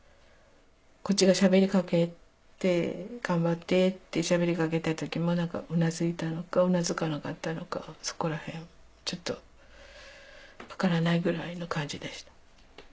こっちがしゃべり掛けて「頑張って」ってしゃべり掛けた時もうなずいたのかうなずかなかったのかそこらへんちょっと分からないぐらいの感じでした。